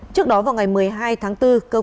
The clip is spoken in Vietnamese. trước đó vào ngày một mươi hai tháng bốn